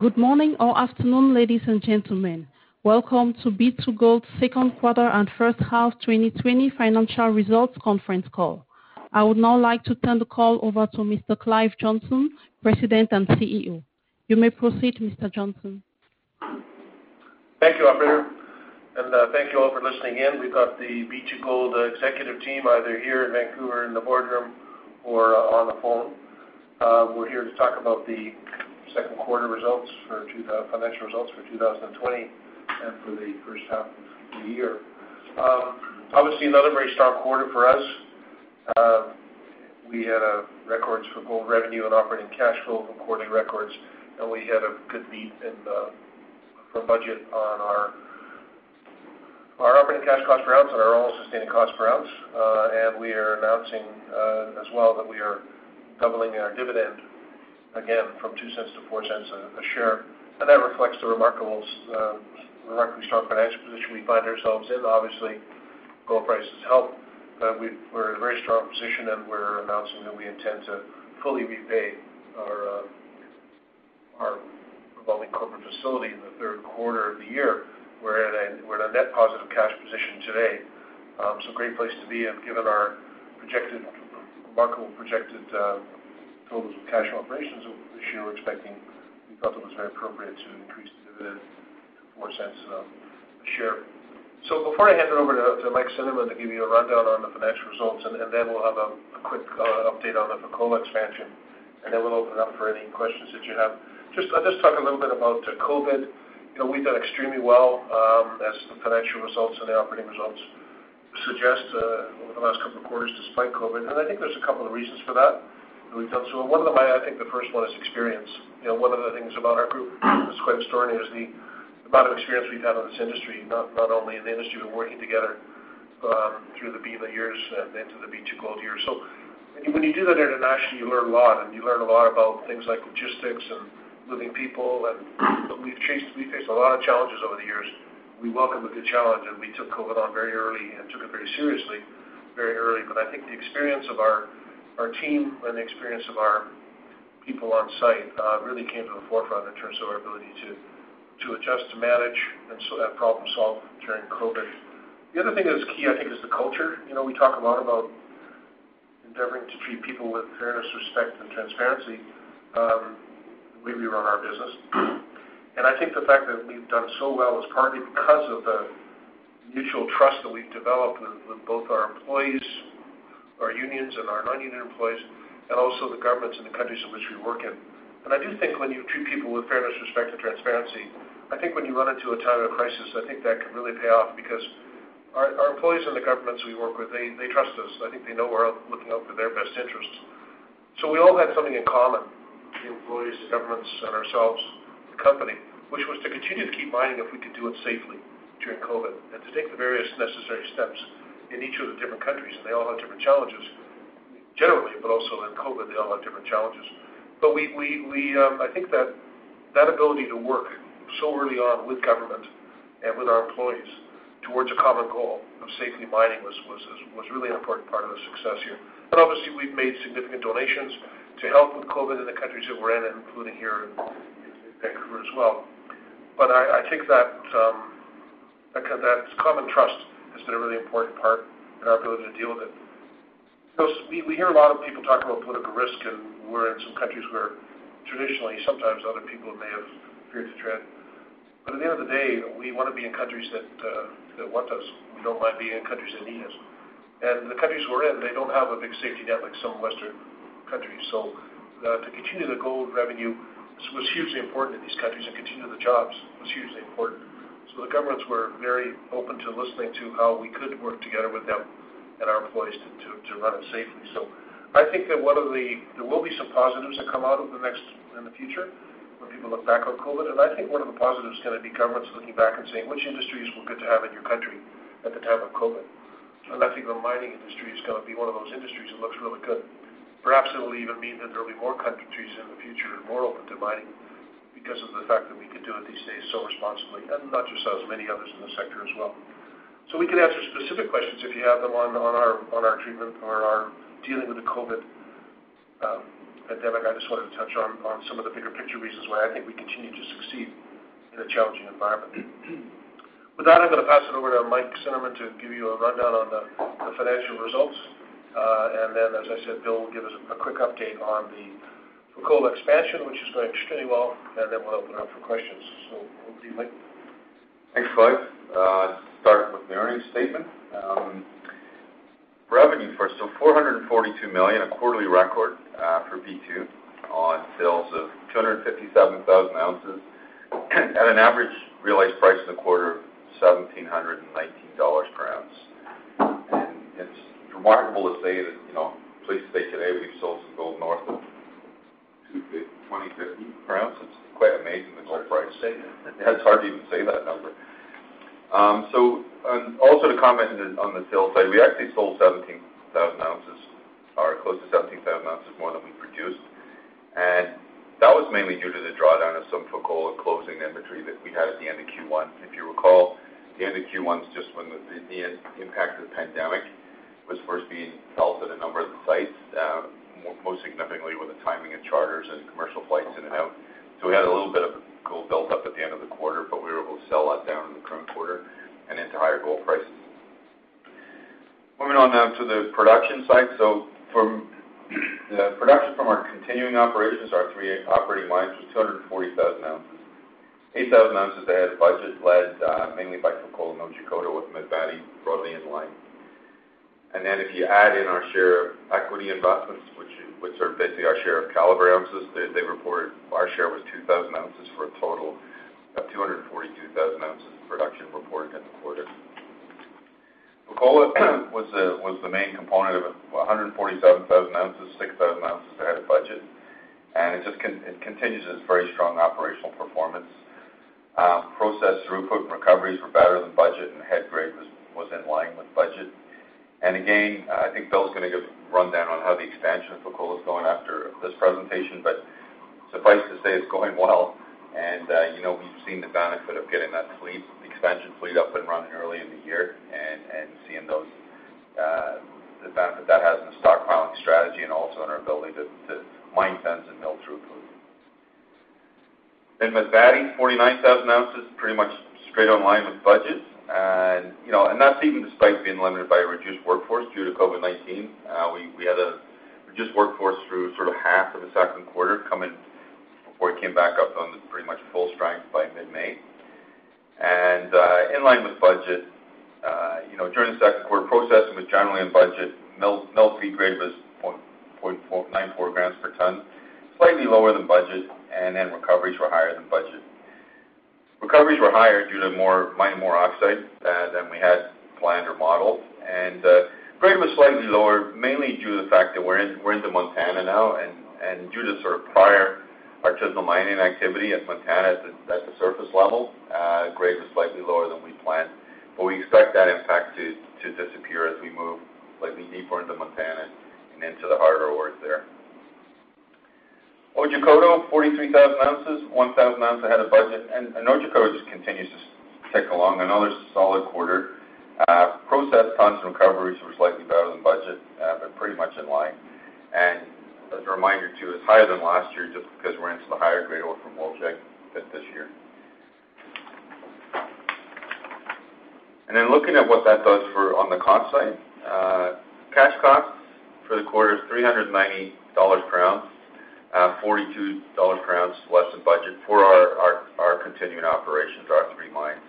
Good morning or afternoon, ladies and gentlemen. Welcome to B2Gold's second quarter and first half 2020 financial results conference call. I would now like to turn the call over to Mr. Clive Johnson, President and CEO. You may proceed, Mr. Johnson. Thank you, operator, and thank you all for listening in. We've got the B2Gold executive team, either here in Vancouver in the boardroom or on the phone. We're here to talk about the second quarter results for the financial results for 2020 and for the first half of the year. Obviously, another very strong quarter for us. We had records for gold revenue and operating cash flow, quarter records, and we had a good beat for budget on our operating cash cost per ounce and our all-in sustaining costs per ounce. We are announcing as well that we are doubling our dividend again from $0.02-$0.04 a share. That reflects the remarkably strong financial position we find ourselves in. Obviously, gold prices help. We're in a very strong position, and we're announcing that we intend to fully repay our revolving corporate facility in the third quarter of the year. We're in a net positive cash position today. It's a great place to be given our remarkable projected flows from cash operations this year, we felt it was very appropriate to increase the dividend to $0.04 a share. Before I hand it over to Mike Cinnamond to give you a rundown on the financial results, then we'll have a quick update on the Fekola expansion, then we'll open it up for any questions that you have. I'll just talk a little bit about COVID. We've done extremely well as the financial results and the operating results suggest over the last couple of quarters, despite COVID. I think there's a couple of reasons for that. I think the first one is experience. One of the things about our group that's quite extraordinary is the amount of experience we've had on this industry, not only in the industry, but working together through the Bema years and into the B2Gold years. When you do that internationally, you learn a lot, and you learn a lot about things like logistics and moving people, and we've faced a lot of challenges over the years. We welcome a good challenge, and we took COVID on very early and took it very seriously very early. I think the experience of our team and the experience of our people on site really came to the forefront in terms of our ability to adjust, to manage, and problem solve during COVID. The other thing that's key, I think, is the culture. We talk a lot about endeavoring to treat people with fairness, respect, and transparency the way we run our business. I think the fact that we've done so well is partly because of the mutual trust that we've developed with both our employees, our unions, and our non-union employees, and also the governments in the countries in which we work in. I do think when you treat people with fairness, respect, and transparency, I think when you run into a time of crisis, I think that can really pay off because our employees and the governments we work with, they trust us. I think they know we're looking out for their best interests. We all had something in common, the employees, the governments, and ourselves, the company, which was to continue to keep mining if we could do it safely during COVID and to take the various necessary steps in each of the different countries. They all had different challenges generally, but also in COVID, they all had different challenges. I think that that ability to work so early on with government and with our employees towards a common goal of safely mining was a really important part of the success here. Obviously, we've made significant donations to help with COVID in the countries that we're in, including here in Vancouver as well. I think that common trust has been a really important part in our ability to deal with it. We hear a lot of people talk about political risk. We're in some countries where traditionally, sometimes other people may have feared to tread. At the end of the day, we want to be in countries that want us. We don't mind being in countries that need us. The countries we're in, they don't have a big safety net like some Western countries. To continue the gold revenue was hugely important in these countries, and to continue the jobs was hugely important. The governments were very open to listening to how we could work together with them and our employees to run it safely. I think that there will be some positives that come out of the next, in the future when people look back on COVID. I think one of the positives is going to be governments looking back and saying, "Which industries were good to have in your country at the time of COVID?" I think the mining industry is going to be one of those industries that looks really good. Perhaps it'll even mean that there'll be more countries in the future more open to mining because of the fact that we could do it these days so responsibly, and not just us, many others in the sector as well. We can answer specific questions if you have them on our treatment or our dealing with the COVID pandemic. I just wanted to touch on some of the bigger picture reasons why I think we continue to succeed in a challenging environment. With that, I'm going to pass it over to Mike Cinnamond to give you a rundown on the financial results. Then, as I said, Bill will give us a quick update on the Fekola expansion, which is going extremely well, and then we'll open it up for questions. Over to you, Mike. Thanks, Clive. Start with the earnings statement. Revenue first, $442 million, a quarterly record for B2 on sales of 257,000 oz at an average realized price in the quarter of $1,719 per ounce. It's remarkable to say today we've sold some gold north of $2,050 per ounce. It's quite amazing the gold price. It's hard to say. It's hard to even say that number. Also to comment on the sales side, we actually sold 17,000 oz or close to 17,000 oz more than we produced. That was mainly due to the drawdown of some Fekola gold we had at the end of Q1. If you recall, the end of Q1 is just when the impact of the pandemic was first being felt at a number of the sites, most significantly with the timing of charters and commercial flights in and out. We had a little bit of gold built up at the end of the quarter, but we were able to sell that down in the current quarter and into higher gold prices. Moving on now to the production side. From the production from our continuing operations, our three operating mines was 240,000 oz. 8,000 oz ahead of budget, led mainly by Fekola and Otjikoto, with Masbate broadly in line. If you add in our share of equity investments, which are basically our share of Calibre ounces, they report our share was 2,000 oz for a total of 242,000 oz of production reported in the quarter. Fekola was the main component of 147,000 oz, 6,000 oz ahead of budget, and it continues its very strong operational performance. Process throughput and recoveries were better than budget and the head grade was in line with budget. I think Bill's going to give a rundown on how the expansion of Fekola is going after this presentation. Suffice to say, it's going well. We've seen the benefit of getting that fleet, expansion fleet up and running early in the year and seeing the benefit that has in the stockpiling strategy and also in our ability to mine tons and mill throughput. Masbate, 49,000 oz, pretty much straight on line with budget. That's even despite being limited by a reduced workforce due to COVID-19. We had a reduced workforce through half of the second quarter before it came back up on pretty much full strength by mid-May and in line with budget. During the second quarter, processing was generally on budget. Mill feed grade was 0.94 g per ton, slightly lower than budget, and then recoveries were higher than budget. Recoveries were higher due to mining more oxide than we had planned or modeled. Grade was slightly lower, mainly due to the fact that we're into Montana now and due to prior artisanal mining activity at Montana at the surface level, grade was slightly lower than we planned. We expect that impact to disappear as we move slightly deeper into Montana and into the harder ores there. Otjikoto, 43,000 oz, 1,000 oz ahead of budget. Otjikoto just continues to tick along, another solid quarter. Process tons and recoveries were slightly better than budget but pretty much in line. As a reminder, too, it's higher than last year just because we're into the higher-grade ore from Wolfshag pit this year. Looking at what that does on the cost side. Cash cost for the quarter is $390 per ounce, $42 per ounce less than budget for our continuing operations, our three mines.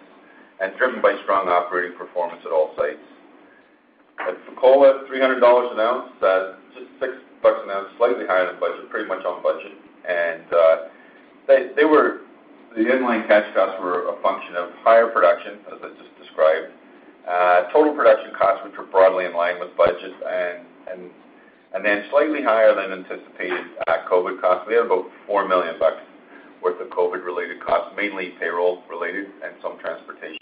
Driven by strong operating performance at all sites. At Fekola, $300 an ounce, just $6 an ounce, slightly higher than budget, pretty much on budget. The in-line cash costs were a function of higher production, as I just described. Total production costs, which were broadly in line with budget, slightly higher than anticipated at COVID costs. We had about $4 million worth of COVID-related costs, mainly payroll related and some transportation.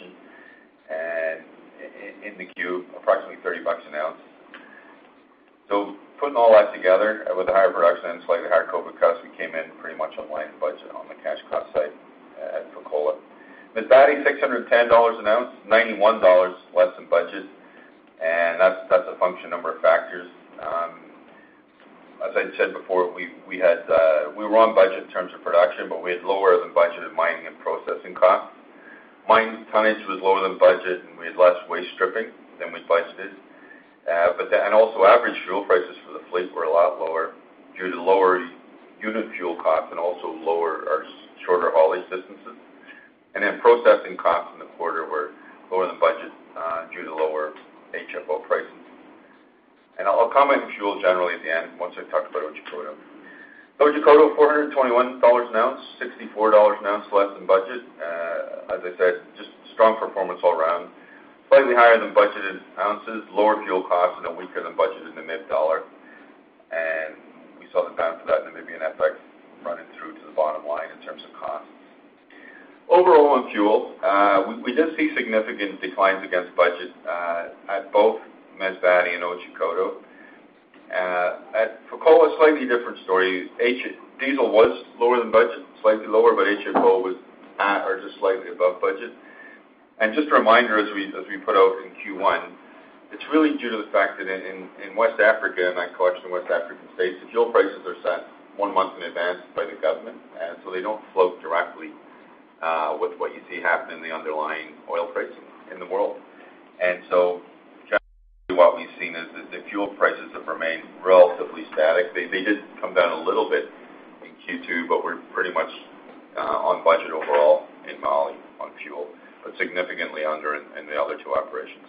In Q2, approximately $30 an ounce. Putting all that together with the higher production and slightly higher COVID costs, we came in pretty much in line with budget on the cash cost site at Fekola. Masbate $610 an ounce, $91 less than budget. That's a function of a number of factors. As I said before, we were on budget in terms of production, but we had lower than budgeted mining and processing costs. Mine tonnage was lower than budget, and we had less waste stripping than we budgeted. Also average fuel prices for the fleet were a lot lower due to lower unit fuel costs and also shorter haulage distances. Then processing costs in the quarter were lower than budget due to lower HFO prices. I'll comment on fuel generally at the end once I've talked about Otjikoto. Otjikoto $421 an ounce, NAD 64 an ounce less than budget. As I said, just strong performance all around. Slightly higher than budgeted ounces, lower fuel costs, and weaker than budgeted in the NAD. We saw the benefit of that in the Namibian FX running through to the bottom line in terms of costs. Overall on fuel, we did see significant declines against budget at both Masbate and Otjikoto. At Fekola, a slightly different story. Diesel was lower than budget, slightly lower, but HFO was at or just slightly above budget. Just a reminder, as we put out in Q1, it's really due to the fact that in West Africa, in that collection of West African states, the fuel prices are set one month in advance by the government, and so they don't float directly with what you see happen in the underlying oil pricing in the world. Generally what we've seen is that the fuel prices have remained relatively static. They did come down a little bit in Q2, but we're pretty much on budget overall in Mali on fuel, but significantly under in the other two operations.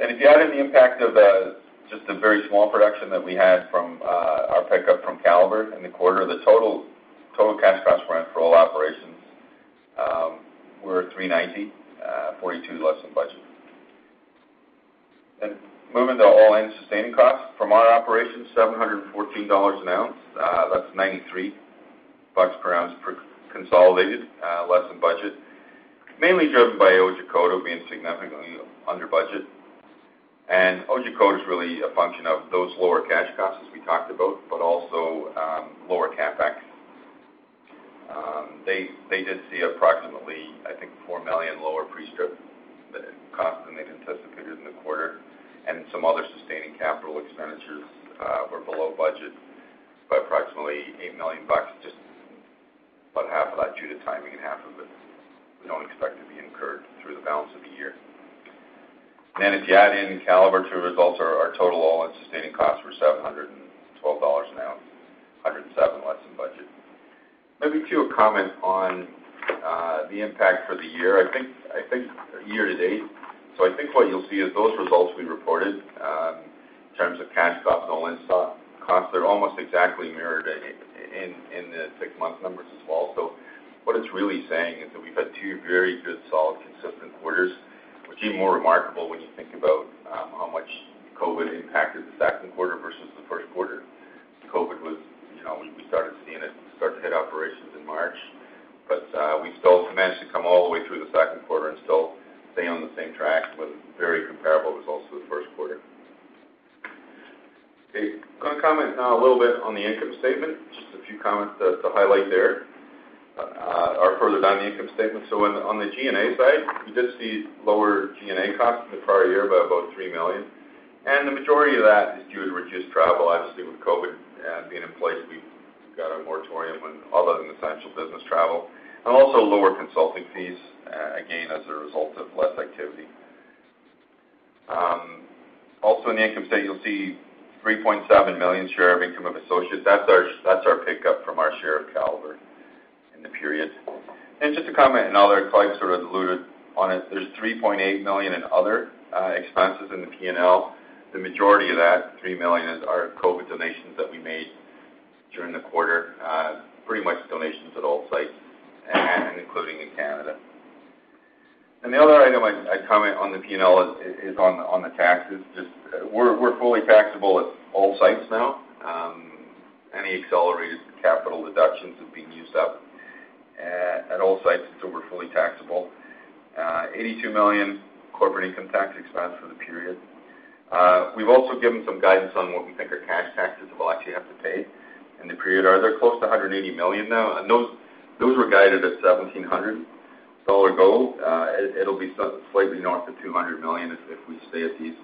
If you added the impact of just the very small production that we had from our pickup from Calibre in the quarter, the total cash costs for all operations were $390, $42 less than budget. Moving to all-in sustaining costs. From our operations, $714 an ounce. That's $93 per ounce consolidated, less than budget, mainly driven by Otjikoto being significantly under budget. Otjikoto is really a function of those lower cash costs, as we talked about, but also lower CapEx. They did see approximately, I think, $4 million lower pre-strip cost than they contest in figures in the quarter, and some other sustaining capital expenditures were below budget by approximately $8 million. Just about half of that due to timing, and half of it we don't expect to be incurred through the balance of the year. If you add in Calibre to results, our total all-in sustaining costs were $712 an ounce, $107 less than budget. Maybe, too, a comment on the impact for the year to date. I think what you'll see is those results we reported in terms of cash costs and all-in costs, they're almost exactly mirrored in the six-month numbers as well. What it's really saying is that we've had two very good, solid, consistent quarters, which is even more remarkable when you think about how much COVID impacted the second quarter versus the first quarter. COVID, we started to see it start to hit operations in March, but we still managed to come all the way through the second quarter and still stay on the same track with very comparable results to the first quarter. Okay. Going to comment now a little bit on the income statement. Just a few comments to highlight there, or further down the income statement. On the G&A side, we did see lower G&A costs than the prior year by about $3 million. The majority of that is due to reduced travel, obviously, with COVID being in place. We've got a moratorium on all other than essential business travel. Also lower consulting fees, again, as a result of less activity. Also, in the income statement, you'll see $3.7 million share of income of associates. That's our pickup from our share of Calibre in the period. Just to comment on other, Clive sort of alluded on it, there's $3.8 million in other expenses in the P&L. The majority of that, $3 million, is our COVID donations that we made during the quarter. Pretty much donations at all sites, and including in Canada. The other item I'd comment on the P&L is on the taxes. We're fully taxable at all sites now. Any accelerated capital deductions have been used up at all sites, so we're fully taxable. $82 million corporate income tax expense for the period. We've also given some guidance on what we think our cash taxes will actually have to pay, and the period are close to $180 million now, and those were guided at $1,700 gold. It'll be slightly north of $200 million if we stay at these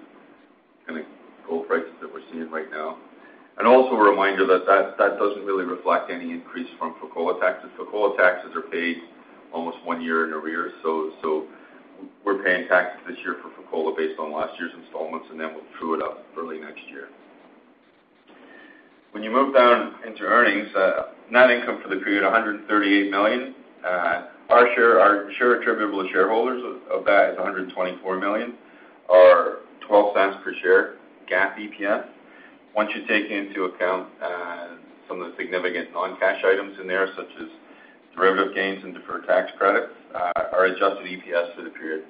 kind of gold prices that we're seeing right now. Also a reminder that that doesn't really reflect any increase from Fekola taxes. Fekola taxes are paid almost one year in arrears. We're paying taxes this year for Fekola based on last year's installments, and then we'll true it up early next year. When you move down into earnings, net income for the period, $138 million. Our share attributable to shareholders of that is $124 million, or $0.12 per share GAAP EPS. Once you take into account some of the significant non-cash items in there, such as derivative gains and deferred tax credits, our adjusted EPS for the period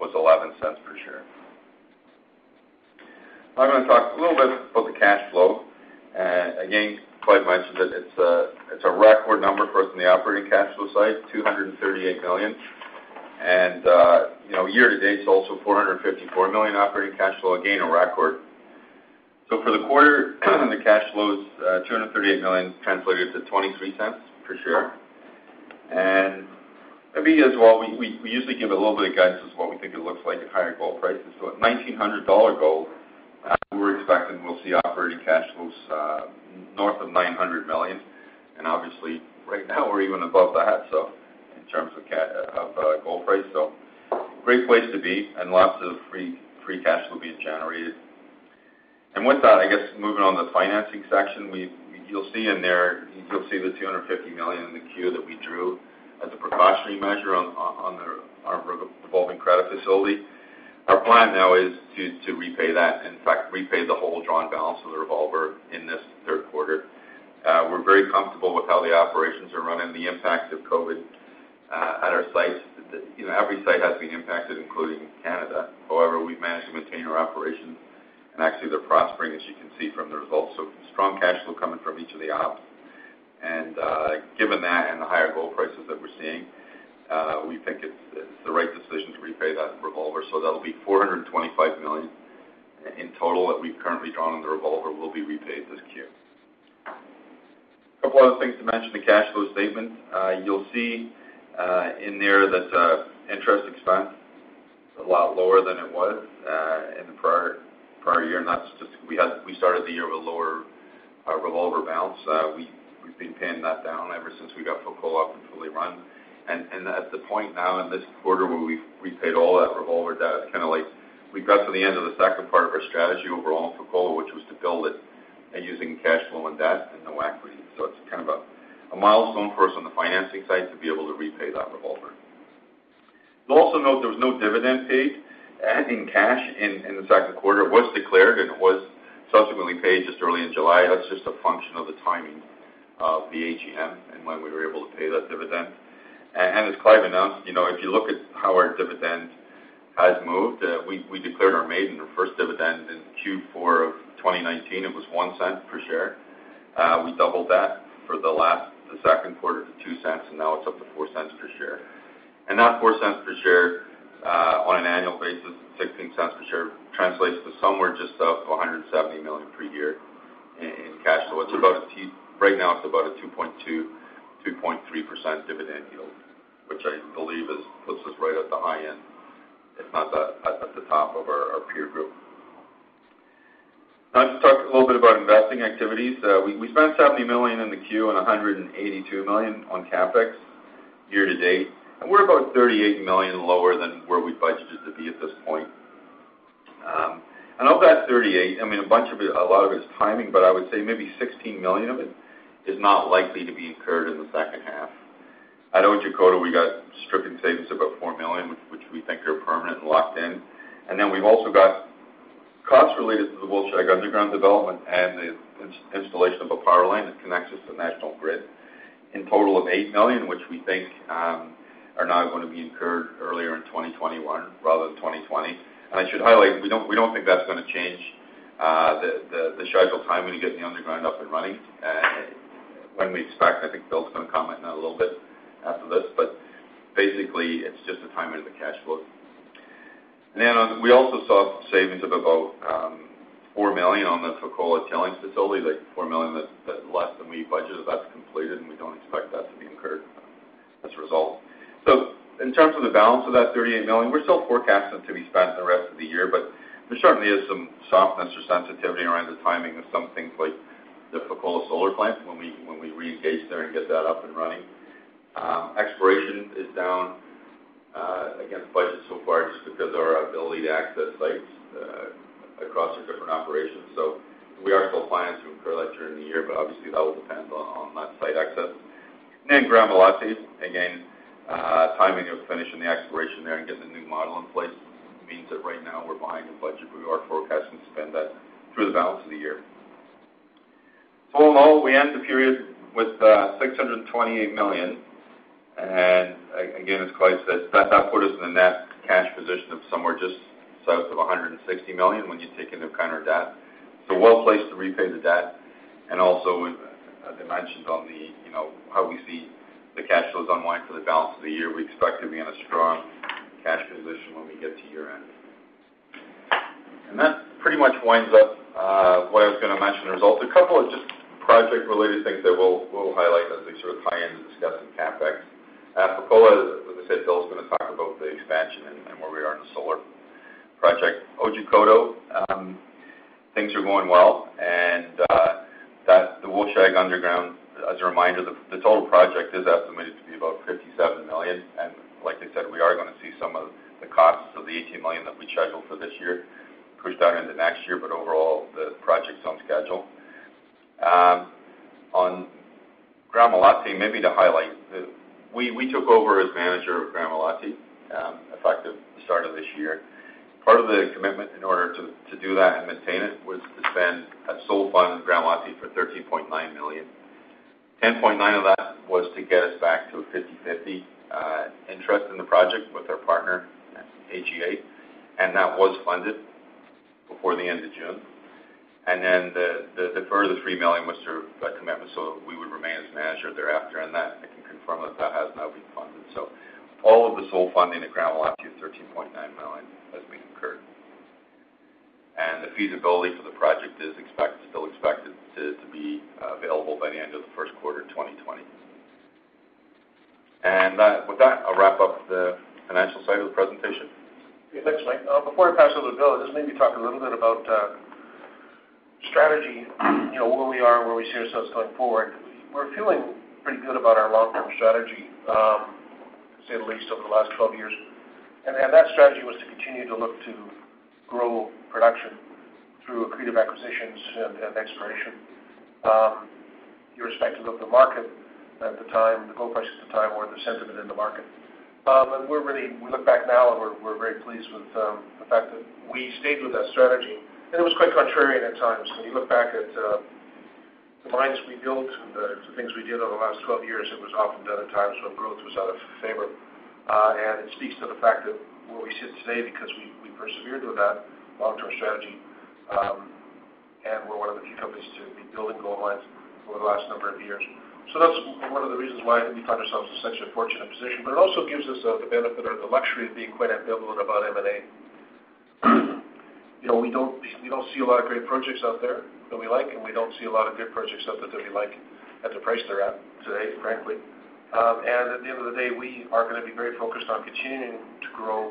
was $0.11 per share. Now I'm going to talk a little bit about the cash flow. Again, Clive mentioned it's a record number for us in the operating cash flow side, $238 million. Year to date, it's also $454 million operating cash flow, again, a record. For the quarter, the cash flow is $238 million, translated to $0.23 per share. Maybe as well, we usually give a little bit of guidance as what we think it looks like at higher gold prices. At $1,900 gold, we're expecting we'll see operating cash flows north of $900 million. Obviously, right now, we're even above that in terms of gold price. Great place to be, and lots of free cash flow being generated. With that, I guess moving on the financing section, you'll see the $250 million in the Q that we drew as a precautionary measure on our revolving credit facility. Our plan now is to repay that. In fact, repay the whole drawn balance of the revolver in this third quarter. We're very comfortable with how the operations are running, the impact of COVID at our sites. Every site has been impacted, including Canada. However, we've managed to maintain our operations, and actually they're prospering, as you can see from the results. Strong cash flow coming from each of the ops. Given that and the higher gold prices that we're seeing, we think it's the right decision to repay that revolver. That'll be $425 million in total that we've currently drawn in the revolver will be repaid this Q. A couple of other things to mention, the cash flow statement. You'll see in there that interest expense is a lot lower than it was in the prior year. That's just we started the year with a lower revolver balance. We've been paying that down ever since we got Fekola up and fully run. At the point now in this quarter where we've repaid all that revolver debt, it's kind of like we got to the end of the second part of our strategy overall for Fekola, which was to build it using cash flow and debt and no equity. It's kind of a milestone for us on the financing side to be able to repay that revolver. You'll also note there was no dividend paid in cash in the second quarter. It was declared, it was subsequently paid just early in July. That's just a function of the timing of the AGM and when we were able to pay that dividend. As Clive announced, if you look at how our dividend has moved, we declared our maiden, our first dividend in Q4 of 2019. It was $0.01 per share. We doubled that for the second quarter to $0.02, and now it's up to $0.04 per share. That $0.04 per share on an annual basis, $0.16 per share translates to somewhere just up of $170 million per year in cash flow. Right now, it's about a 2.2%, 2.3% dividend yield, which I believe puts us right at the high end, if not at the top of our peer group. Now to talk a little bit about investing activities. We spent $70 million in the Q and $182 million on CapEx year to date, we're about $38 million lower than where we budgeted to be at this point. Of that $38 million, a lot of it is timing, but I would say maybe $16 million of it is not likely to be incurred in the second half. At Otjikoto, we got stripping savings of about $4 million, which we think are permanent and locked in. We've also got costs related to the Wolfshag underground development and the installation of a power line that connects us to the national grid in total of $8 million, which we think are now going to be incurred earlier in 2021 rather than 2020. I should highlight, we don't think that's going to change the scheduled timing of getting the underground up and running. When we expect, I think Bill's going to comment on that a little bit after this, basically it's just a timing of the cash flow. We also saw savings of about $4 million on the Fekola tailings facility, the $4 million that's less than we budgeted. That's completed, we don't expect that to be incurred as a result. In terms of the balance of that $38 million, we're still forecasting to be spent the rest of the year, but there certainly is some softness or sensitivity around the timing of some things like the Fekola solar plant when we reengage there and get that up and running. Exploration is down against budget so far just because our ability to access sites across our different operations. We are still planning to incur that during the year, but obviously that will depend on that site access. Gramalote, again timing of finishing the exploration there and getting the new model in place means that right now we're behind the budget, but we are forecasting to spend that through the balance of the year. All in all, we end the period with $628 million. Again, as Clive said, that put us in a net cash position of somewhere just south of $160 million when you take into account our debt. We're well-placed to repay the debt and also as I mentioned on how we see the cash flows unwind for the balance of the year, we expect to be in a strong cash position when we get to year-end. That pretty much winds up what I was going to mention in the results. A couple of just project-related things that we'll highlight as they sort of tie into discussing CapEx. At Fekola, as I said, Bill's going to talk about the expansion and where we are in the solar project. Otjikoto, things are going well. The Wolfshag underground, as a reminder, the total project is estimated to be about $57 million. Like I said, we are going to see some of the costs of the $18 million that we scheduled for this year pushed out into next year. Overall, the project's on schedule. On Gramalote, maybe to highlight, we took over as manager of Gramalote, effective the start of this year. Part of the commitment in order to do that and maintain it was to spend a sole fund in Gramalote for $13.9 million. $10.9 million of that was to get us back to a 50/50 interest in the project with our partner AGA. That was funded before the end of June. The further $3 million was to a commitment so that we would remain as manager thereafter, and I can confirm that has now been funded. All of the sole funding at Gramalote of $13.9 million has been incurred, and the feasibility for the project is still expected to be available by the end of the first quarter 2020. With that, I'll wrap up the financial side of the presentation. Okay, thanks, Mike. Before I pass it over to Bill, I'll just maybe talk a little bit about strategy, where we are and where we see ourselves going forward. We're feeling pretty good about our long-term strategy, to say the least, over the last 12 years. That strategy was to continue to look to grow production through accretive acquisitions and exploration, irrespective of the market at the time, the gold prices at the time or the sentiment in the market. We look back now and we're very pleased with the fact that we stayed with that strategy, and it was quite contrarian at times. When you look back at the mines we built and the things we did over the last 12 years, it was often done at times when growth was out of favor. It speaks to the fact that where we sit today, because we persevered with that long-term strategy, and we're one of the few companies to be building gold mines over the last number of years. That's one of the reasons why we find ourselves in such a fortunate position, but it also gives us the benefit or the luxury of being quite ambivalent about M&A. We don't see a lot of great projects out there that we like, and we don't see a lot of good projects out there that we like at the price they're at today, frankly. At the end of the day, we are going to be very focused on continuing to grow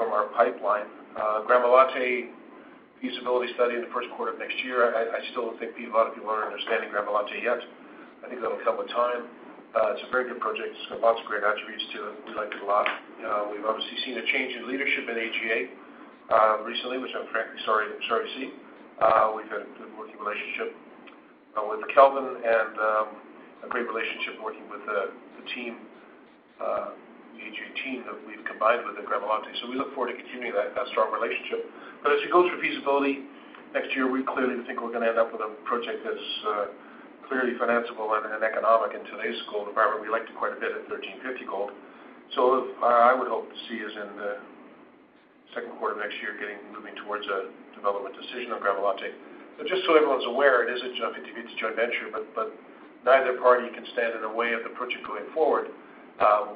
from our pipeline. Gramalote feasibility study in the first quarter of next year. I still think a lot of people aren't understanding Gramalote yet. I think that'll come with time. It's a very good project. It's got lots of great attributes to it. We like it a lot. We've obviously seen a change in leadership at AGA recently, which I'm frankly sorry to see. We've had a good working relationship with Kelvin and a great relationship working with the AGA team that we've combined with at Gramalote. We look forward to continuing that strong relationship. As you go through feasibility next year, we clearly think we're going to end up with a project that's clearly financiable and economic in today's gold environment. We like it quite a bit at $1,350 gold. What I would hope to see is in the second quarter of next year, moving towards a development decision on Gramalote. Just so everyone's aware, it is a 50/50 joint venture, but neither party can stand in the way of the project going forward,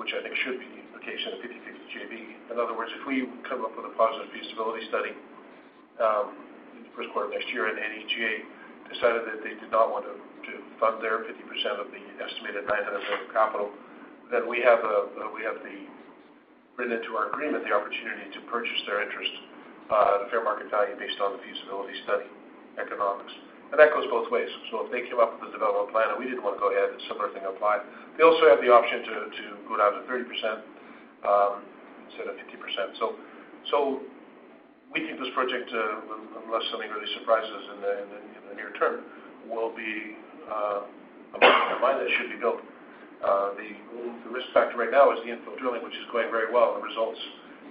which I think should be the implication of a 50/50 JV. In other words, if we come up with a positive feasibility study in the first quarter of next year and AGA decided that they did not want to fund their 50% of the estimated $900 million of capital, then we have written into our agreement the opportunity to purchase their interest at a fair market value based on the feasibility study economics. That goes both ways. If they came up with a development plan and we didn't want to go ahead, a similar thing applied. They also have the option to go down to 30% instead of 50%. We think this project, unless something really surprises us in the near term, will be a mine that should be built. The risk factor right now is the infill drilling, which is going very well. The results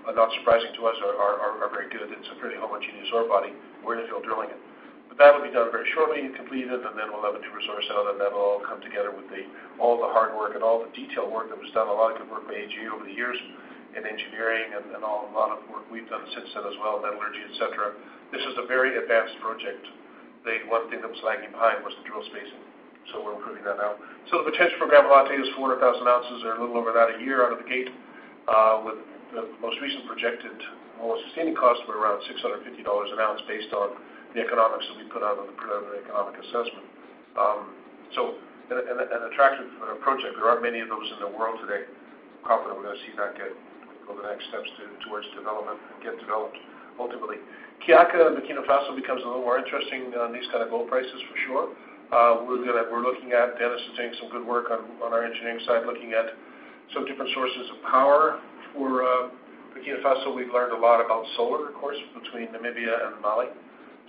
are not surprising to us, are very good. It's a pretty homogeneous ore body. We're infill drilling it. That'll be done very shortly and completed, and then we'll have a new resource out, and that'll all come together with all the hard work and all the detail work that was done, a lot of good work by AGA over the years in engineering and a lot of work we've done since then as well, metallurgy, et cetera. This is a very advanced project. The one thing that was lagging behind was the drill spacing, so we're improving that now. The potential for Gramalote is 400,000 oz or a little over that a year out of the gate, with the most recent projected all-in sustaining cost of around $650 an ounce based on the economics that we put out on the preliminary economic assessment. An attractive project. There aren't many of those in the world today. I'm confident we're going to see that get over the next steps towards development and get developed ultimately. Kiaka in Burkina Faso becomes a little more interesting on these kind of gold prices, for sure. We're looking at Dennis is doing some good work on our engineering side, looking at some different sources of power for Burkina Faso. We've learned a lot about solar, of course, between Namibia and Mali,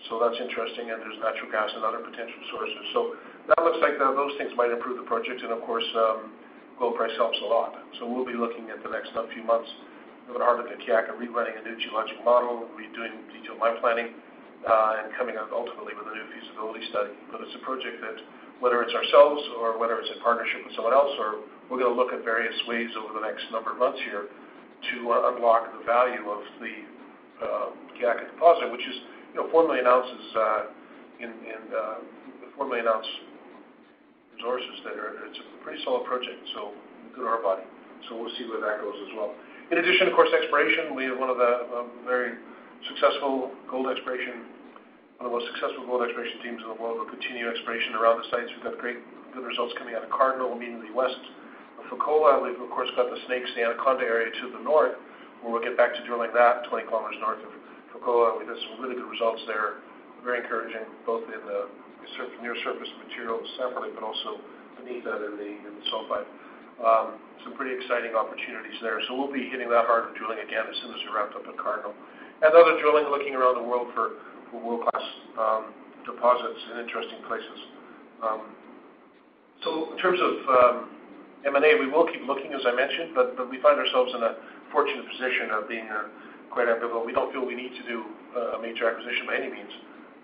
that's interesting, and there's natural gas and other potential sources. That looks like those things might improve the project, and of course, gold price helps a lot. We'll be looking at the next few months a little harder for Kiaka, rewriting a new geological model, redoing detailed mine planning, and coming out ultimately with a new feasibility study. It's a project that whether it's ourselves or whether it's in partnership with someone else, we're going to look at various ways over the next number of months here to unlock the value of the Kiaka deposit, which is 4 million ounces resources there. It's a pretty solid project, so a good ore body. We'll see where that goes as well. In addition, of course, exploration. We have one of the most successful gold exploration teams in the world. We'll continue exploration around the sites. We've got great results coming out of Cardinal, immediately west of Fekola. We've, of course, got the Snakes-Anaconda area to the north, where we'll get back to drilling that 20 km north of Fekola. We've got some really good results there. Very encouraging, both in the near surface material separately but also beneath that in the sulfide. Some pretty exciting opportunities there. We'll be hitting that hard with drilling again as soon as we wrap up at Cardinal. Other drilling, looking around the world for world-class deposits in interesting places. In terms of M&A, we will keep looking, as I mentioned, but we find ourselves in a fortunate position of being quite active, but we don't feel we need to do a major acquisition by any means.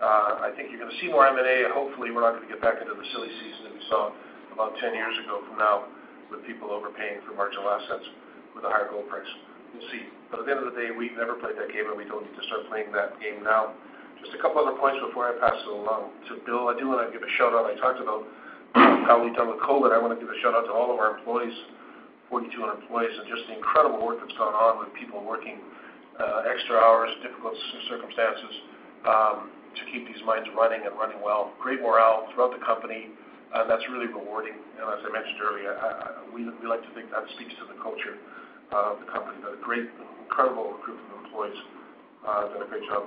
I think you're going to see more M&A, and hopefully we're not going to get back into the silly season that we saw about 10 years ago from now with people overpaying for marginal assets with a higher gold price. We'll see. At the end of the day, we've never played that game, and we don't need to start playing that game now. A couple other points before I pass it along to Bill. I do want to give a shout-out. I talked about how we've done with COVID. I want to give a shout-out to all of our employees, 4,200 employees, and just the incredible work that's gone on with people working extra hours, difficult circumstances, to keep these mines running and running well. Great morale throughout the company. That's really rewarding. As I mentioned earlier, we like to think that speaks to the culture of the company. We've got a great, incredible group of employees that have done a great job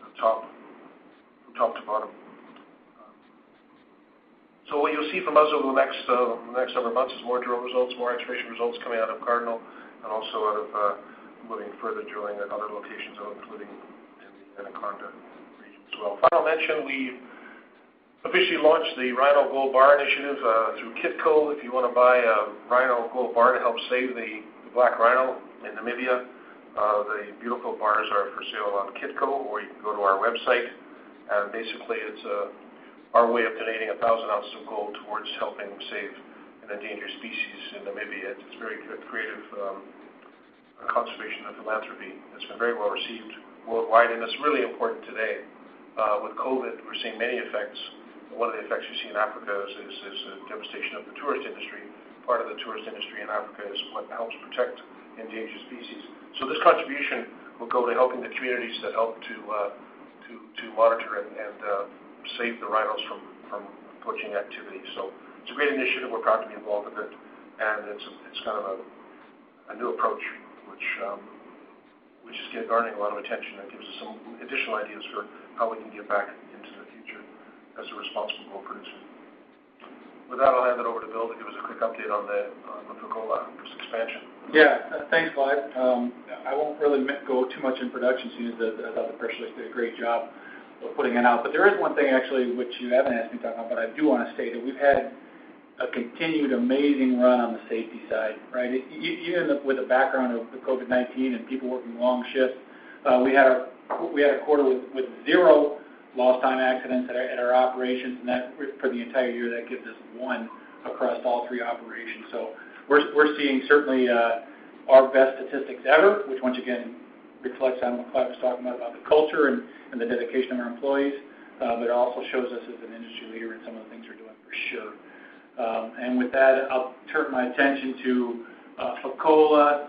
from top to bottom. What you'll see from us over the next number of months is more drill results, more exploration results coming out of Cardinal, and also out of moving further drilling at other locations, including in the Anaconda region as well. Final mention, we officially launched the Rhino Gold Bar initiative through Kitco. If you want to buy a Rhino Gold Bar to help save the black rhino in Namibia, the beautiful bars are for sale on Kitco, or you can go to our website. Basically, it's our way of donating 1,000 oz of gold towards helping save an endangered species in Namibia. It's very creative conservation and philanthropy. It's been very well received worldwide. It's really important today. With COVID, we're seeing many effects. One of the effects you see in Africa is the devastation of the tourist industry. Part of the tourist industry in Africa is what helps protect endangered species. This contribution will go to helping the communities that help to monitor and save the rhinos from poaching activity. It's a great initiative. We're proud to be involved with it, and it's a new approach, which is garnering a lot of attention. That gives us some additional ideas for how we can give back into the future as a responsible gold producer. With that, I'll hand it over to Bill to give us a quick update on the Fekola expansion. Yeah. Thanks, Clive. I won't really go too much in production seeing that the other person did a great job of putting it out. There is one thing, actually, which you haven't asked me to talk about, but I do want to state it. We've had a continued amazing run on the safety side, right? Even with the background of COVID-19 and people working long shifts, we had a quarter with zero lost time accidents at our operations for the entire year, that gives us one across all three operations. We're seeing certainly our best statistics ever, which once again reflects on what Clive was talking about the culture and the dedication of our employees, but it also shows us as an industry leader in some of the things we're doing, for sure. With that, I'll turn my attention to Fekola.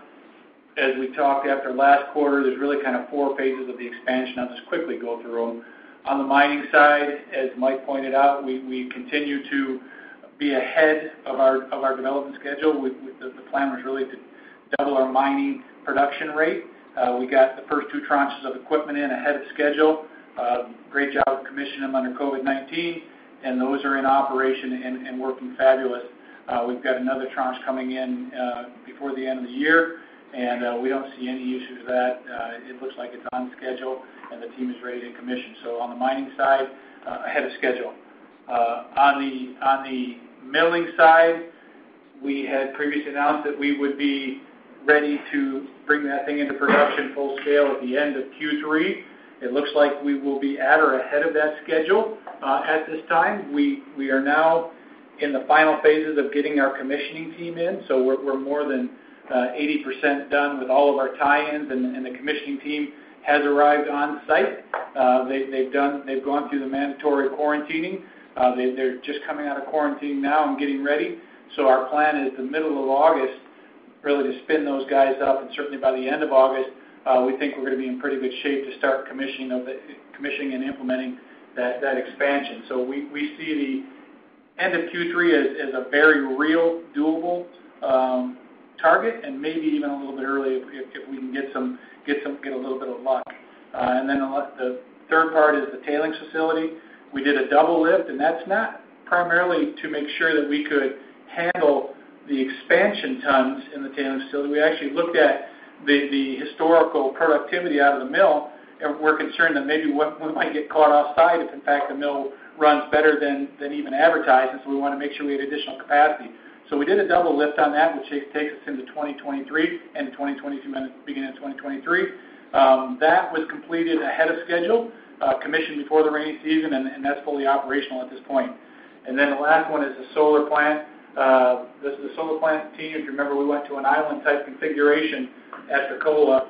As we talked after last quarter, there's really four phases of the expansion. I'll just quickly go through them. On the mining side, as Mike pointed out, we continue to be ahead of our development schedule. The plan was really to double our mining production rate. We got the first two tranches of equipment in ahead of schedule. Great job commissioning them under COVID. Those are in operation and working fabulous. We've got another tranche coming in before the end of the year. We don't see any issues with that. It looks like it's on schedule. The team is ready to commission. On the mining side, ahead of schedule. On the milling side, we had previously announced that we would be ready to bring that thing into production full scale at the end of Q3. It looks like we will be at or ahead of that schedule at this time. We are now in the final phases of getting our commissioning team in, so we're more than 80% done with all of our tie-ins, and the commissioning team has arrived on site. They've gone through the mandatory quarantining. They're just coming out of quarantine now and getting ready. Our plan is the middle of August, really to spin those guys up, and certainly by the end of August, we think we're going to be in pretty good shape to start commissioning and implementing that expansion. We see the end of Q3 as a very real, doable target and maybe even a little bit earlier if we can get a little bit of luck. Then the third part is the tailings facility. We did a double lift. That's not primarily to make sure that we could handle the expansion tons in the tailings facility. We actually looked at the historical productivity out of the mill. We're concerned that maybe we might get caught outside if, in fact, the mill runs better than even advertised. We want to make sure we have additional capacity. We did a double lift on that, which takes us into 2023 and 2022, beginning of 2023. That was completed ahead of schedule, commissioned before the rainy season. That's fully operational at this point. The last one is the solar plant. This is the solar plant team. If you remember, we went to an island-type configuration at Fekola,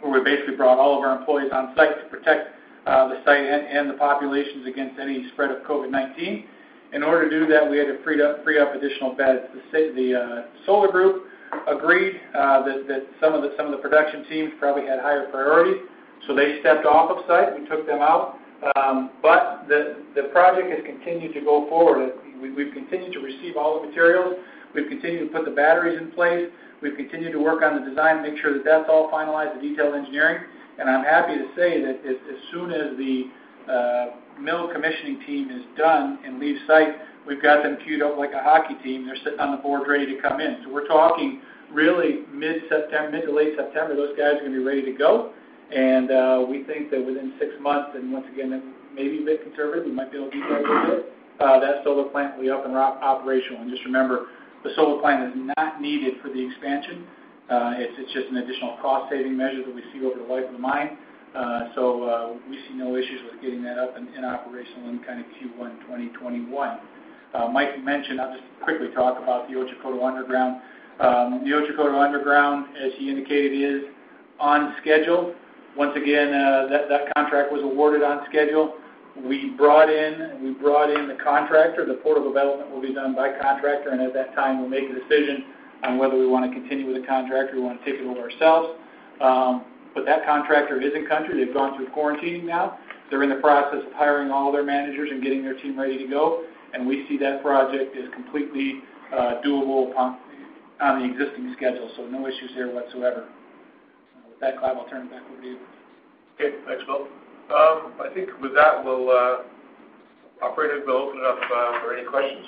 where we basically brought all of our employees on site to protect the site and the populations against any spread of COVID-19. In order to do that, we had to free up additional beds. The solar group agreed that some of the production teams probably had higher priorities. They stepped off of site. We took them out. The project has continued to go forward. We've continued to receive all the materials. We've continued to put the batteries in place. We've continued to work on the design, make sure that that's all finalized, the detailed engineering. I'm happy to say that as soon as the mill commissioning team is done and leaves site, we've got them cued up like a hockey team. They're sitting on the board ready to come in. We're talking really mid to late September, those guys are going to be ready to go. We think that within six months, and once again, that may be a bit conservative, we might be able to beat that a little bit, that solar plant will be up and operational. Just remember, the solar plant is not needed for the expansion. It's just an additional cost-saving measure that we see over the life of the mine. We see no issues with getting that up and operational in Q1 2021. Mike mentioned, I'll just quickly talk about the Otjikoto underground. The Otjikoto underground, as he indicated, is on schedule. Once again, that contract was awarded on schedule. We brought in the contractor. The portal development will be done by contractor, and at that time, we'll make a decision on whether we want to continue with the contractor or we want to take it over ourselves. That contractor is in country. They've gone through quarantining now. They're in the process of hiring all their managers and getting their team ready to go. We see that project as completely doable on the existing schedule. No issues there whatsoever. With that, Clive, I'll turn it back over to you. Okay, thanks, Bill. I think with that, operator, we'll open it up for any questions.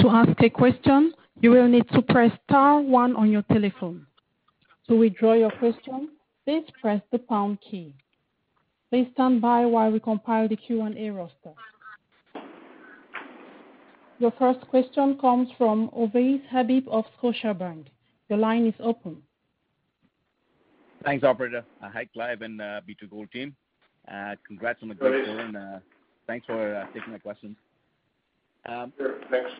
To ask a question, you will need to press star one on your telephone. To withdraw your question, please press the pound key. Please stand by while we compile the Q&A roster. Your first question comes from Ovais Habib of Scotiabank. Your line is open. Thanks, operator. Hi, Clive and B2Gold team. Hi, Ovais. Congrats on a great quarter, and thanks for taking my questions. Sure, thanks.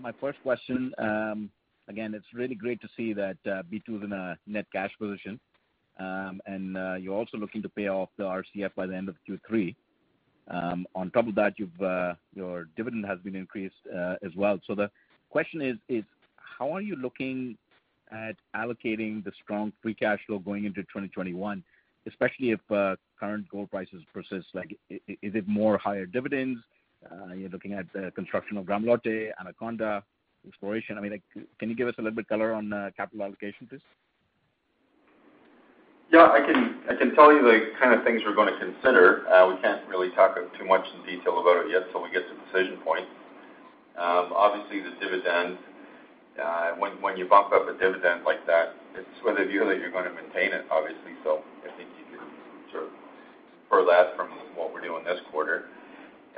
My first question, again, it's really great to see that B2Gold's in a net cash position, and you're also looking to pay off the RCF by the end of Q3. On top of that, your dividend has been increased as well. The question is, how are you looking at allocating the strong free cash flow going into 2021, especially if current gold prices persist? Is it more higher dividends? Are you looking at construction of Gramalote, Anaconda, exploration? Can you give us a little bit color on capital allocation, please? Yeah, I can tell you the kind of things we're going to consider. We can't really talk too much in detail about it yet till we get to the decision point. Obviously, the dividend, when you bump up a dividend like that, it's with a view that you're going to maintain it, obviously. I think you can sort of infer that from what we're doing this quarter.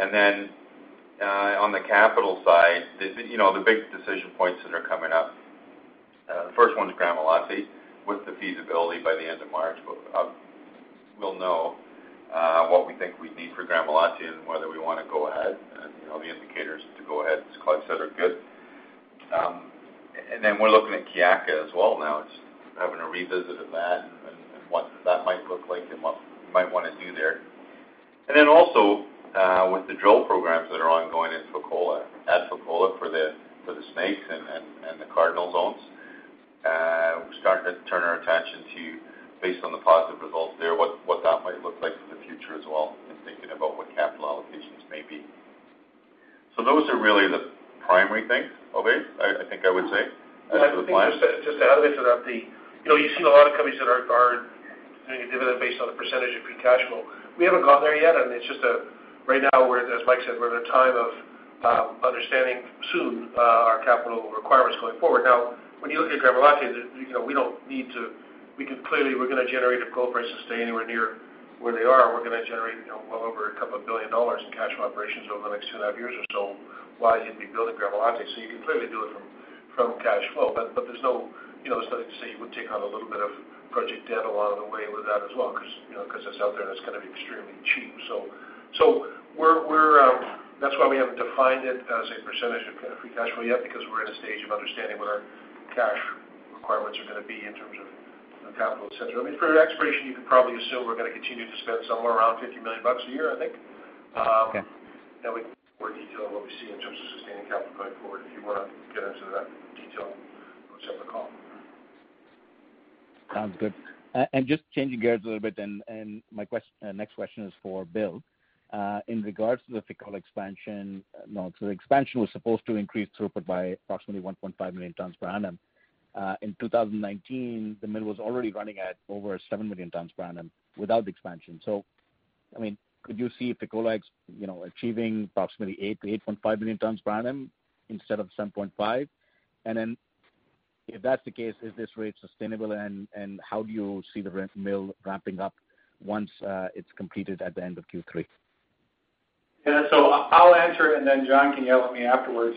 On the capital side, the big decision points that are coming up. The first one is Gramalote. With the feasibility by the end of March, we'll know what we think we'd need for Gramalote and whether we want to go ahead. The indicators to go ahead, as Clive said, are good. We're looking at Kiaka as well now. It's having a revisit of that and what that might look like and what we might want to do there. Also, with the drill programs that are ongoing at Fekola for the Snakes and the Cardinal zones, we're starting to turn our attention to, based on the positive results there, what that might look like in the future as well, and thinking about what capital allocations may be. Those are really the primary things, Ovais, I think I would say, as for the plans. I think just to add to that, you've seen a lot of companies that are doing a dividend based on a percentage of free cash flow. We haven't gotten there yet, and it's just, right now, as Mike said, we're at a time of understanding soon our capital requirements going forward. When you look at Gramalote, if gold prices stay anywhere near where they are, we're going to generate well over $2 billion in cash from operations over the next 2.5 years or so while you'd be building Gramalote. You can clearly do it from cash flow. There's nothing to say you wouldn't take on a little bit of project debt along the way with that as well, because it's out there and it's going to be extremely cheap. That's why we haven't defined it as a percentage of free cash flow yet, because we're in a stage of understanding what our cash requirements are going to be in terms of capital, et cetera. For exploration, you can probably assume we're going to continue to spend somewhere around $50 million a year, I think. Okay. We can go more detail on what we see in terms of sustaining capital going forward. If you want to get into that detail, we will set up a call. Sounds good. Just changing gears a little bit then, and my next question is for Bill. In regards to the Fekola expansion, the expansion was supposed to increase throughput by approximately 1.5 million tons per annum. In 2019, the mill was already running at over 7 million tons per annum without the expansion. Could you see Fekola achieving approximately 8 million-8.5 million tons per annum instead of 7.5 million? If that's the case, is this rate sustainable, and how do you see the mill ramping up once it's completed at the end of Q3? Yeah. I'll answer it, and then John can yell at me afterwards.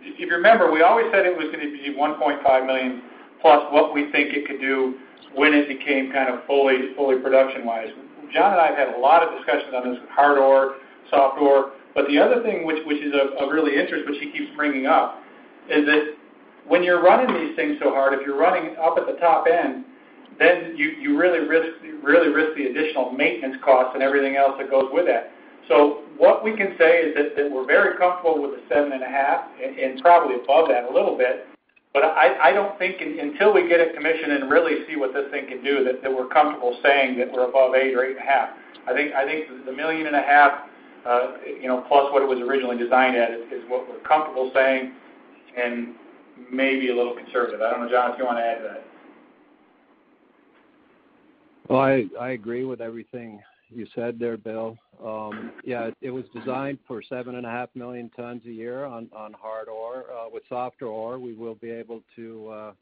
If you remember, we always said it was going to be 1.5 million plus what we think it could do when it became fully productionized. John and I have had a lot of discussions on this with hard ore, soft ore. The other thing which is of real interest, which he keeps bringing up, is that when you're running these things so hard, if you're running up at the top end, then you really risk the additional maintenance costs and everything else that goes with that. What we can say is that we're very comfortable with the seven and a half, and probably above that a little bit, but I don't think, until we get it commissioned and really see what this thing can do, that we're comfortable saying that we're above eight or eight and a half. I think the 1.5 million, plus what it was originally designed at, is what we're comfortable saying, and maybe a little conservative. I don't know, John, if you want to add to that. Well, I agree with everything you said there, Bill. Yeah, it was designed for 7.5 million tons a year on hard ore. With soft ore, we will be able to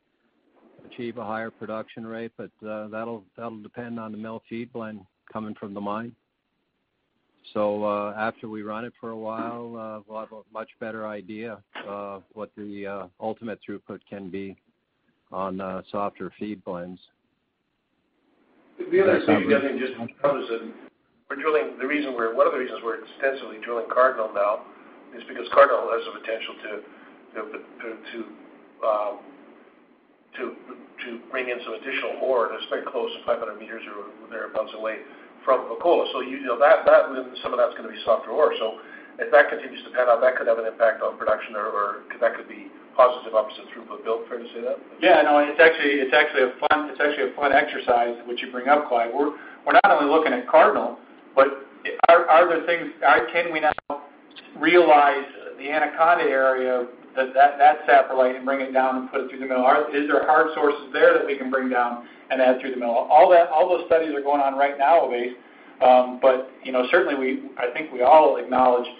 achieve a higher production rate, but that'll depend on the mill feed blend coming from the mine. After we run it for a while, we'll have a much better idea of what the ultimate throughput can be on softer feed blends. The other thing, I think, just comes in, one of the reasons we're extensively drilling Cardinal now is because Cardinal has the potential to bring in some additional ore, and it's very close, 500 m or thereabouts away from Fekola. Some of that's going to be softer ore. If that continues to pan out, that could have an impact on production, or that could be positive upside throughput. Bill, fair to say that? Yeah, no, it's actually a fun exercise, what you bring up, Clive. We're not only looking at Cardinal, but can we now realize the Anaconda area, that saprolite, and bring it down and put it through the mill? Is there hard sources there that we can bring down and add through the mill? All those studies are going on right now, Ovais. Certainly, I think we all acknowledge that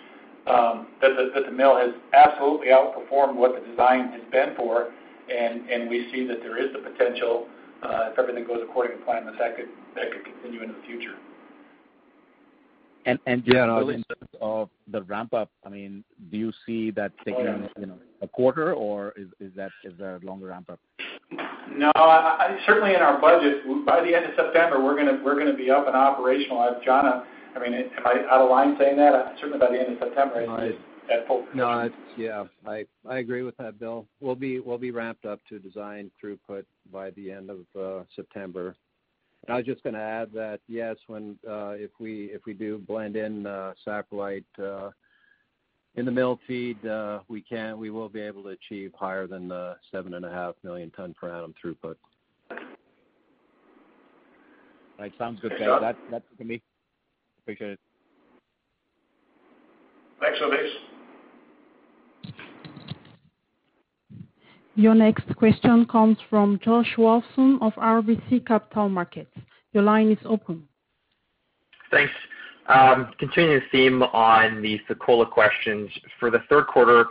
the mill has absolutely outperformed what the design has been for, and we see that there is the potential, if everything goes according to plan, that that could continue into the future. John, in terms of the ramp-up, do you see that taking a quarter, or is that a longer ramp-up? No. Certainly, in our budget, by the end of September, we're going to be up and operational. John, am I out of line saying that? Certainly, by the end of September, it'll be at full production. No. Yeah, I agree with that, Bill. We'll be ramped up to design throughput by the end of September. I was just going to add that, yes, if we do blend in saprolite in the mill feed, we will be able to achieve higher than the 7.5 million ton per annum throughput. All right. Sounds good. That's it for me. Appreciate it. Thanks, Ovais. Your next question comes from Josh Wolfson of RBC Capital Markets. Your line is open. Thanks. Continuing the theme on the Fekola questions, for the third quarter,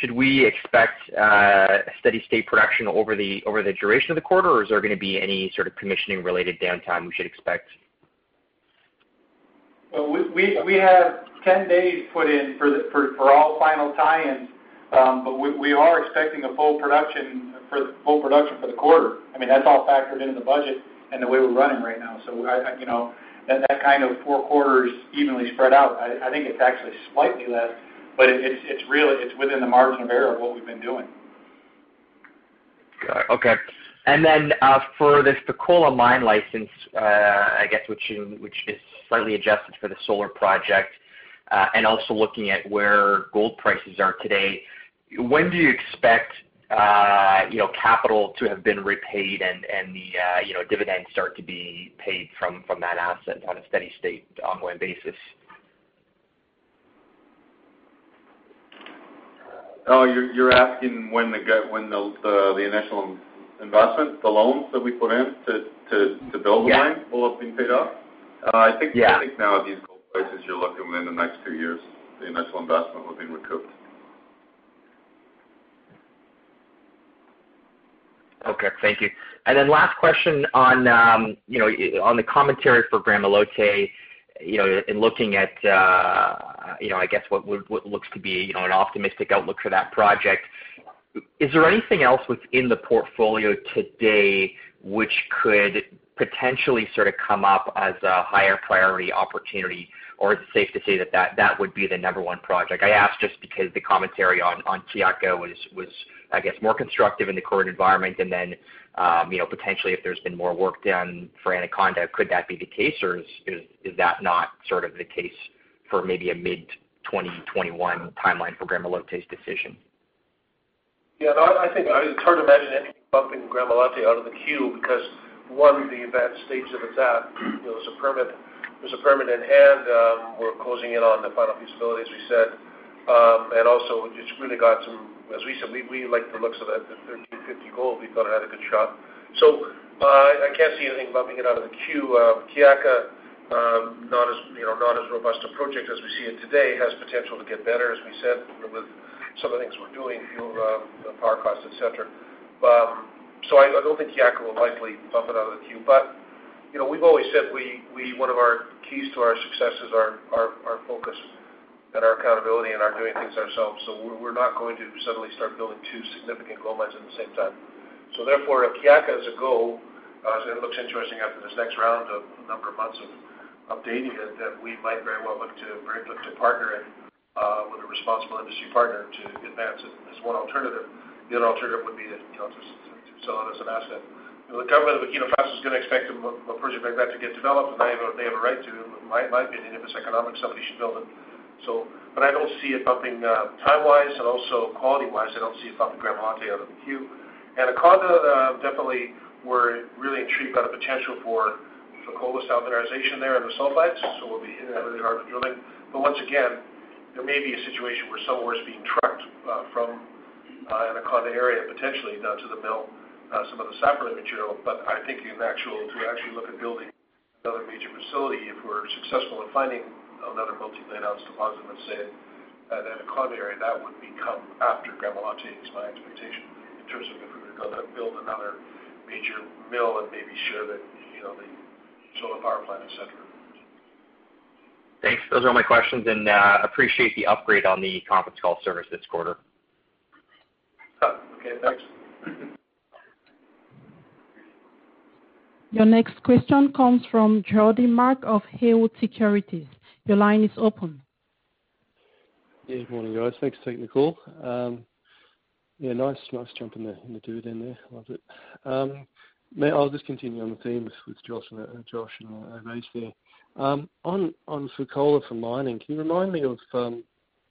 should we expect a steady state production over the duration of the quarter, or is there going to be any sort of commissioning-related downtime we should expect? We have 10 days put in for all final tie-ins, but we are expecting a full production for the quarter. That's all factored into the budget and the way we're running right now. That kind of four quarters evenly spread out, I think it's actually slightly less, but it's within the margin of error of what we've been doing. Got it. Okay. For this Fekola mine license, I guess, which is slightly adjusted for the solar project, and also looking at where gold prices are today, when do you expect capital to have been repaid and the dividends start to be paid from that asset on a steady state ongoing basis? Oh, you're asking when the initial investment, the loans that we put in to build the mine? Yeah. Will have been paid off? Yeah. I think now at these gold prices, you're looking within the next two years, the initial investment will have been recouped. Okay, thank you. Last question on the commentary for Gramalote, in looking at what looks to be an optimistic outlook for that project, is there anything else within the portfolio today which could potentially come up as a higher priority opportunity? Or is it safe to say that that would be the number one project? I ask just because the commentary on Kiaka was, I guess, more constructive in the current environment than then, potentially if there's been more work done for Anaconda, could that be the case, or is that not the case for maybe a mid-2021 timeline for Gramalote's decision? Yeah, it's hard to imagine anything bumping Gramalote out of the queue because, one, the advanced stage that it's at, there's a permit in hand, we're closing in on the final feasibility, as we said. Also, as we said, we like the looks of that at $1,350 gold, we thought it had a good shot. I can't see anything bumping it out of the queue. Kiaka, not as robust a project as we see it today, has potential to get better, as we said, with some of the things we're doing, the power costs, et cetera. I don't think Kiaka will likely bump it out of the queue. We've always said one of our keys to our success is our focus and our accountability and our doing things ourselves. We're not going to suddenly start building two significant gold mines at the same time. Therefore, if Kiaka is a go, as it looks interesting after this next round of a number of months of updating it, that we might very well look to partner with a responsible industry partner to advance it as one alternative. The other alternative would be to sell it as an asset. The government of Burkina Faso is going to expect a project like that to get developed, and they have a right to. In my opinion, if it's economic, somebody should build it. I don't see it bumping, time-wise, and also quality-wise, I don't see it bumping Gramalote out of the queue. Anaconda, definitely, we're really intrigued by the potential for Fekola sulphide zone there and the sulphides, so we'll be inevitably drilling. Once again, there may be a situation where some ore is being trucked from Anaconda area, potentially, down to the mill, some of the saprolite material. I think to actually look at building another major facility, if we're successful in finding another multi-million-ounce deposit, let's say, at Anaconda, that would be come after Gramalote is my expectation in terms of if we were to build another major mill and maybe share the solar power plant, et cetera. Thanks. Those are all my questions. Appreciate the upgrade on the conference call service this quarter. Okay, thanks. Your next question comes from Geordie Mark of Haywood Securities. Your line is open. Yeah, good morning, guys. Thanks for taking the call. Yeah, nice jump in the dividend there. Loved it. I'll just continue on the theme with Josh and Ovais there. On Fekola for mining, can you remind me of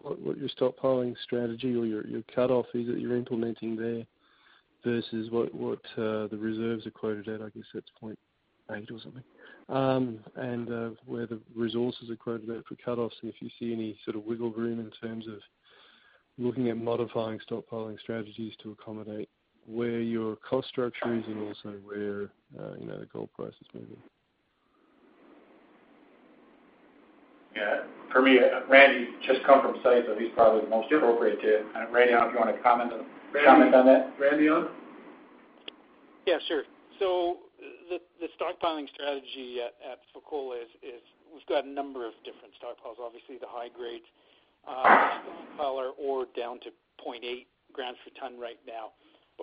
what your stockpiling strategy or your cutoff is that you're implementing there versus what the reserves are quoted at? I guess that's 0.8 g or something. Where the resources are quoted at for cutoffs, and if you see any sort of wiggle room in terms of looking at modifying stockpiling strategies to accommodate where your cost structure is and also where the gold price is moving. Yeah. For me, Randy's just come from site, so he's probably the most appropriate to Randy, if you want to comment on that? Randy on? Yeah, sure. The stockpiling strategy at Fekola is we've got a number of different stockpiles. Obviously, the high grades stockpile our ore down to 0.8 g per ton right now.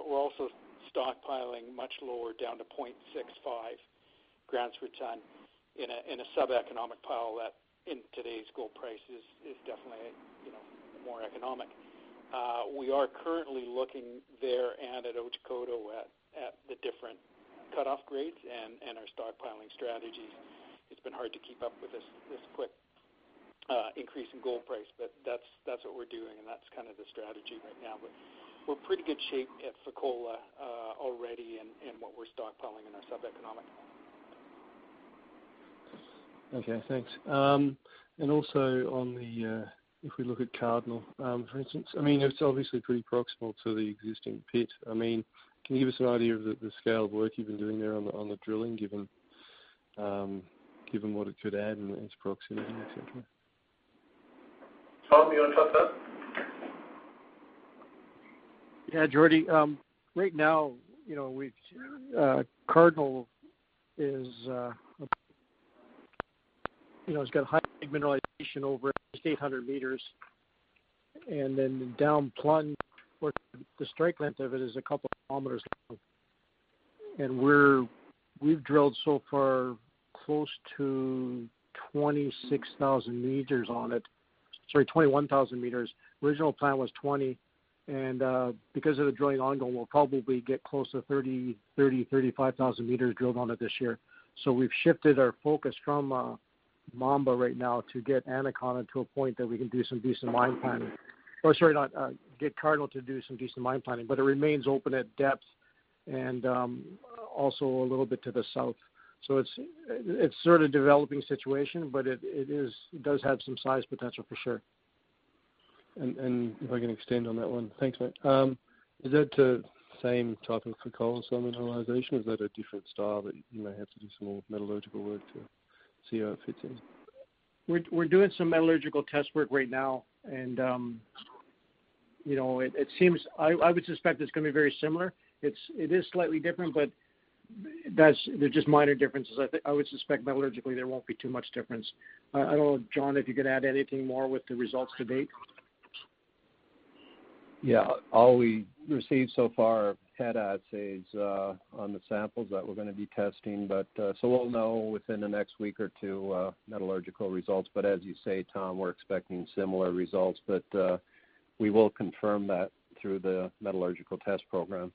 We're also stockpiling much lower, down to 0.65 g per ton in a sub-economic pile that in today's gold prices is definitely more economic. We are currently looking there and at Otjikoto at the different cutoff grades and our stockpiling strategies. It's been hard to keep up with this quick increase in gold price, but that's what we're doing, and that's kind of the strategy right now. We're in pretty good shape at Fekola already in what we're stockpiling in our sub-economic. Okay, thanks. Also, if we look at Cardinal, for instance, it's obviously pretty proximal to the existing pit. Can you give us an idea of the scale of work you've been doing there on the drilling, given what it could add and its proximity, et cetera? Tom, you want to touch that? Yeah, Geordie. Right now, Cardinal has got high mineralization over 800 m, and then down plunge, the strike length of it is 2 km long. We've drilled so far close to 26,000 m on it. Sorry, 21,000 m. Original plan was 20,000 m, and because of the drilling ongoing, we'll probably get close to 30,000, 35,000 m drilled on it this year. We've shifted our focus from Mamba right now to get Anaconda to a point that we can do some decent mine planning. Sorry, get Cardinal to do some decent mine planning. It remains open at depth and also a little bit to the south. It's sort of a developing situation, but it does have some size potential for sure. If I can extend on that one. Thanks, mate. Is that the same type of Fekola mineralization, or is that a different style that you might have to do some more metallurgical work to see how it fits in? We're doing some metallurgical test work right now, and I would suspect it's going to be very similar. It is slightly different, but they're just minor differences. I would suspect metallurgically, there won't be too much difference. I don't know, John, if you could add anything more with the results to date. Yeah. All we received so far had assays on the samples that we're going to be testing. We'll know within the next week or two metallurgical results. As you say, Tom, we're expecting similar results. We will confirm that through the metallurgical test program.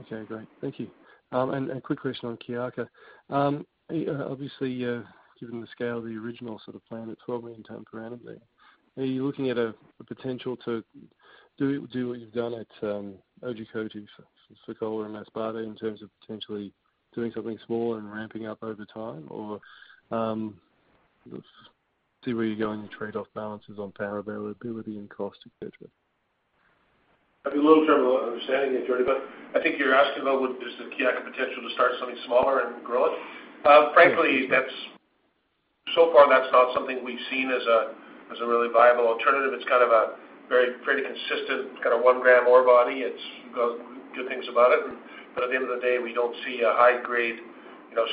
Okay, great. Thank you. A quick question on Kiaka. Obviously, given the scale of the original sort of plan at 12 million tons per annum there, are you looking at a potential to do what you've done at Otjikoto, Fekola and Masbate in terms of potentially doing something smaller and ramping up over time? Or see where you go in your tradeoff balances on power availability and cost, et cetera? I'd be a little troubled understanding it, Geordie, I think you're asking about is the Kiaka potential to start something smaller and grow it? Frankly, so far that's not something we've seen as a really viable alternative. It's kind of a very pretty consistent 1 g ore body. It's got good things about it. At the end of the day, we don't see a high-grade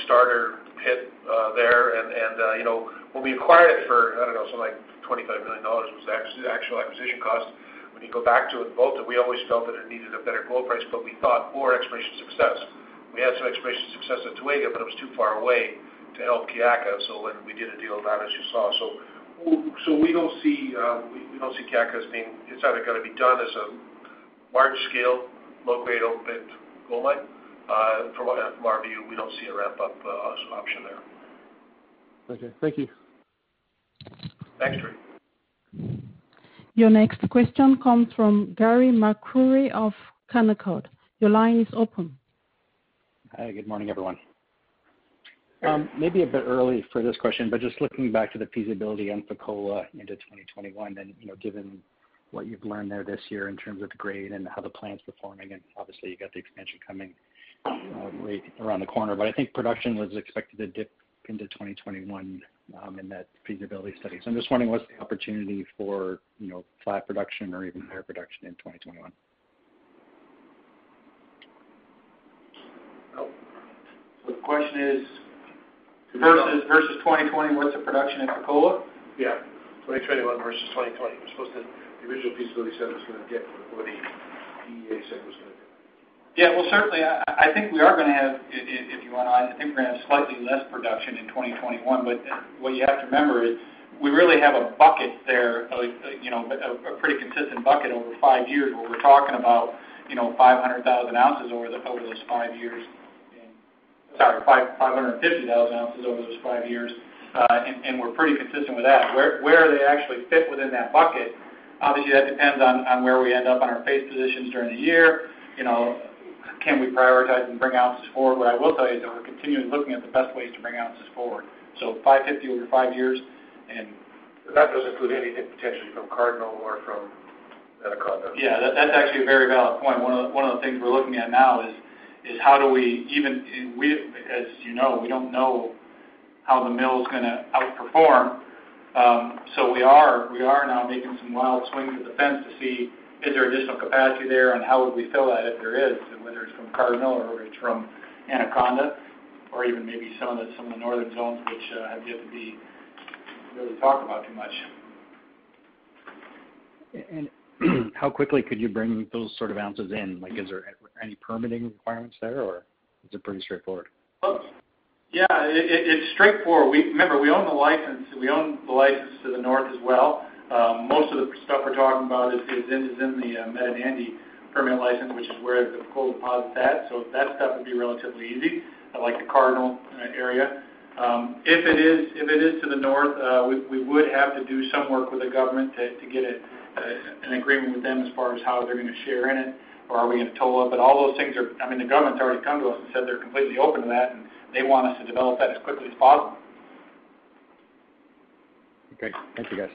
starter pit there. We acquired it for, I don't know, something like $25 million was the actual acquisition cost. When you go back to it and Volta, we always felt that it needed a better gold price, but we thought more exploration success. We had some exploration success at Toega, but it was too far away to help Kiaka. We did a deal on that, as you saw. We don't see Kiaka. It's either going to be done as a large-scale, low-grade, open pit gold mine. From our view, we don't see a ramp-up option there. Okay. Thank you. Thanks, Geordie. Your next question comes from Carey MacRury of Canaccord. Your line is open. Hi, good morning, everyone. Maybe a bit early for this question, but just looking back to the feasibility on Fekola into 2021 then, given what you've learned there this year in terms of grade and how the plan's performing, and obviously you've got the expansion coming right around the corner. I think production was expected to dip into 2021, in that feasibility study. I'm just wondering what's the opportunity for flat production or even higher production in 2021? The question is versus 2020, what's the production at Fekola? Yeah, 2021 versus 2020. The original feasibility said it was going to dip from what the PEA said it was going to do. Yeah. Well, certainly, I think we are going to have, if you want, I think we're going to have slightly less production in 2021. What you have to remember is we really have a bucket there, a pretty consistent bucket over five years where we're talking about 500,000 oz over those five years. Sorry, 550,000 oz over those five years. We're pretty consistent with that. Where they actually fit within that bucket, obviously, that depends on where we end up on our pay positions during the year. Can we prioritize and bring ounces forward? What I will tell you is that we're continually looking at the best ways to bring ounces forward. 550 over five years. That doesn't include anything potentially from Cardinal or from Anaconda. Yeah, that's actually a very valid point. One of the things we're looking at now is, as you know, we don't know how the mill's going to outperform. We are now making some wild swings of the fence to see, is there additional capacity there, and how would we fill that if there is? Whether it's from Cardinal or it's from Anaconda, or even maybe some of the northern zones, which I've yet to be really talk about too much. How quickly could you bring those sort of ounces in? Is there any permitting requirements there, or is it pretty straightforward? Yeah, it's straightforward. Remember, we own the license to the north as well. Most of the stuff we're talking about is in the Medinandi permit license, which is where the gold deposit's at. That stuff would be relatively easy, like the Cardinal area. If it is to the north, we would have to do some work with the government to get an agreement with them as far as how they're going to share in it, or are we going to toll it? All those things are The government's already come to us and said they're completely open to that, and they want us to develop that as quickly as possible. Okay. Thank you, guys.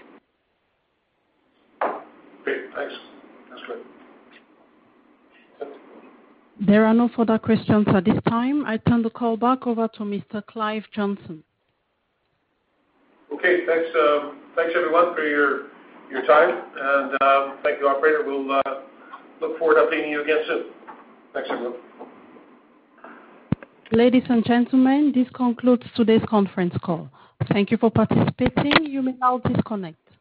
Great. Thanks. That's good. There are no further questions at this time. I turn the call back over to Mr. Clive Johnson. Okay, thanks, everyone, for your time, and thank you, operator. We will look forward to updating you again soon. Thanks, everyone. Ladies and gentlemen, this concludes today's conference call. Thank you for participating. You may now disconnect.